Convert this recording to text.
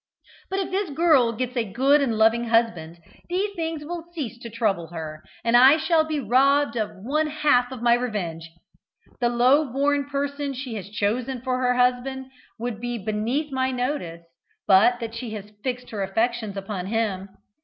But if this girl gets a good and loving husband, these things will cease to trouble her, and I shall be robbed of one half my revenge. The low born person she has chosen for her husband would be beneath my notice but that she has fixed her affections upon him.